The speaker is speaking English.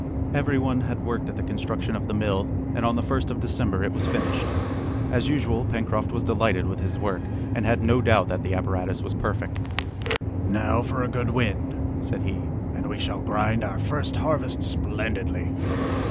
Every one had worked at the construction of the mill, and on the 1st of December it was finished. As usual, Pencroft was delighted with his work, and had no doubt that the apparatus was perfect. "Now for a good wind," said he, "and we shall grind our first harvest splendidly!"